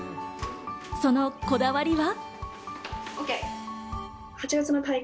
そのこだわりは。